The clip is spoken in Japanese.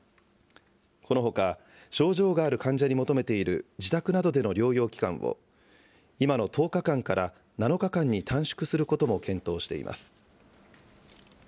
このほか、症状がある患者に求めている自宅などでの療養期間を、今の１０日間から７日間に短縮することも検討しています。